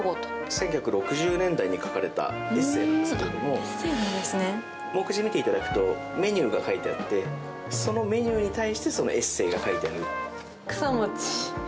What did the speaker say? １９６０年代に書かれたエッセーなんですけど目次見ていただくとメニューが書いてあってそのメニューに対してそのエッセーが書いてある。